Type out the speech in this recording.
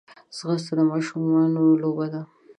ځغاسته د ماشومانو لوبه ده